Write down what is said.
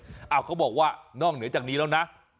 เขาบอกว่านอกเหนือจากนี้แล้วนะ